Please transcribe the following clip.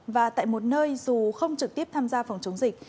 và tại một nơi dù không trực tiếp tham gia phòng chống dịch